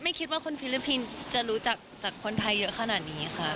ไม่คิดว่าคนฟิลลิปปีนจะรู้จักคนไทยเยอะขนาดนี้ค่ะ